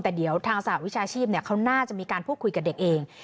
แต่เดี๋ยวทางสหวิชาชีพเขาน่าจะมีการพูดคุยกับเด็กเอง